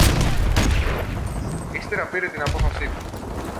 Ύστερα πήρε την απόφαση του.